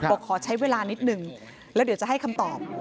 บอกขอใช้เวลานิดหนึ่งแล้วเดี๋ยวจะให้คำตอบ